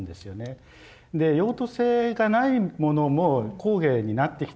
で用途性がないものも工芸になってきた。